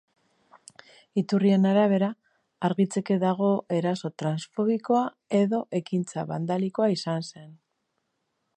Iturrion arabera, argitzeke dago eraso transfobikoa edo ekintza bandalikoa izan den.